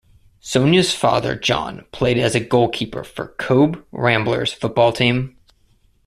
Sonia's father John played as a goalkeeper for Cobh Ramblers football team.